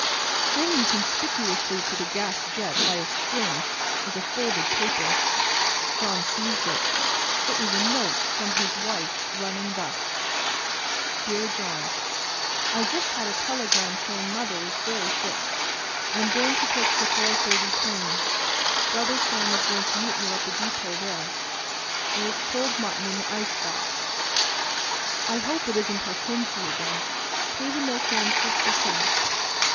Hanging conspicuously to the gas jet by a string was a folded paper. John seized it. It was a note from his wife running thus: "Dear John: I just had a telegram saying mother is very sick. I am going to take the 4.30 train. Brother Sam is going to meet me at the depot there. There is cold mutton in the ice box. I hope it isn't her quinzy again. Pay the milkman 50 cents.